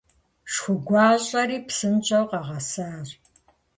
Шху гуащӀэри псынщӀэу къагъэсащ.